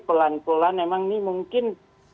pelan pelan emang ini mungkin